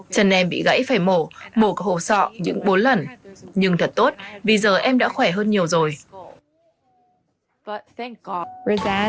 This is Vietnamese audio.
chân em bị gãy phải mổ mổ cả hồ sọ những bốn lần nhưng thật tốt vì giờ em đã khỏe hơn nhiều rồi